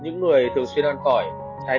những người thường xuyên ăn tỏi trái cây và rau